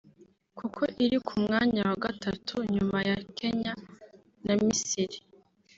kuko iri ku mwanya wa gatatu nyuma ya Kenya na Misiri